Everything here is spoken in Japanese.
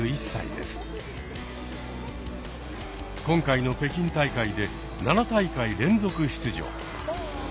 今回の北京大会で７大会連続出場。